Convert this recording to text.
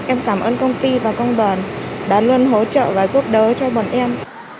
em cảm ơn công ty và công đoàn đã luôn hỗ trợ và giúp đỡ cho bọn em